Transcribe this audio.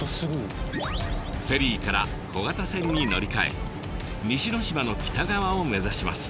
フェリーから小型船に乗り換え西ノ島の北側を目指します。